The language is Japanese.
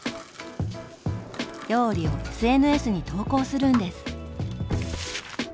料理をＳＮＳに投稿するんです！